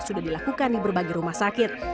sudah dilakukan di berbagai rumah sakit